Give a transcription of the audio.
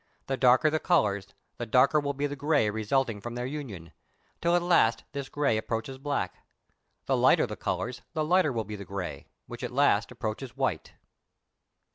The darker the colours, the darker will be the grey resulting from their union, till at last this grey approaches black. The lighter the colours the lighter will be the grey, which at last approaches white.